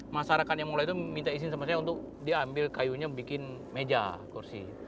masyarakat yang mulai itu minta izin sama saya untuk diambil kayunya bikin meja kursi